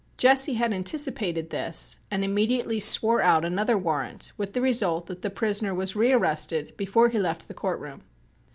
Jesse had anticipated this and immediately swore out another warrant with the result that the prisoner was rearrested before he left the court room.